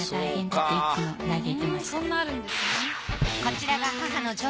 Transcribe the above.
こちらが。